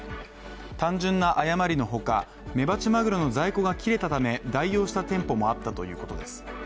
単純な誤りのほか、メバチマグロの在庫が切れたため代用した店舗もあったということです。